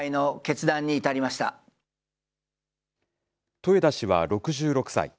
豊田氏は６６歳。